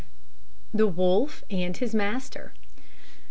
THE WOLF AND HIS MASTER.